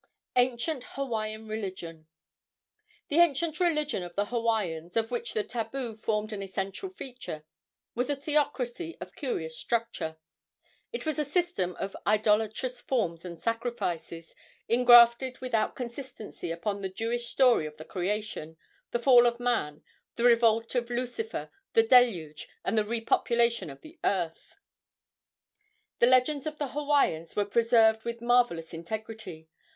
ANCIENT HAWAIIAN RELIGION. The ancient religion of the Hawaiians, of which the tabu formed an essential feature, was a theocracy of curious structure. It was a system of idolatrous forms and sacrifices engrafted without consistency upon the Jewish story of the creation, the fall of man, the revolt of Lucifer, the Deluge, and the repopulation of the earth. The legends of the Hawaiians were preserved with marvellous integrity.